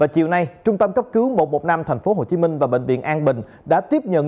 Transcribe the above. chiều nay trung tâm cấp cứu một trăm một mươi năm tp hcm và bệnh viện an bình đã tiếp nhận